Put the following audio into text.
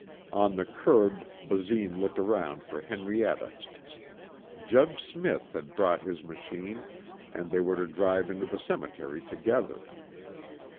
On the curb Basine looked around for Henrietta. Judge Smith had brought his machine and they were to drive to the cemetery together.